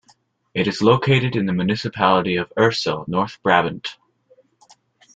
It is located in the municipality of Eersel, North Brabant.